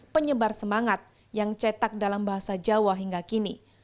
penyebar semangat yang cetak dalam bahasa jawa hingga kini